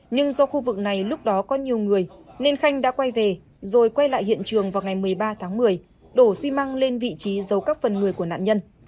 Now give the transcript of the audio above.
nhưng do khu vực này lúc đó có nhiều người nên khanh đã quay về rồi quay lại hiện trường vào ngày một mươi ba tháng một mươi đổ xi măng lên vị trí giấu các phần người của nạn nhân